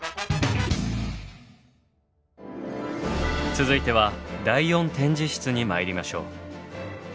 続いては第４展示室に参りましょう。